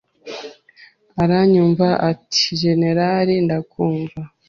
Aranyumva ati Jenerali ndakumva